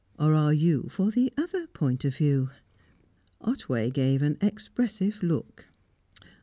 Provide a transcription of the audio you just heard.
Or are you for the other point of view?" Otway gave an expressive look.